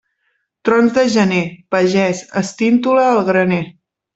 Trons de gener, pagès, estintola el graner.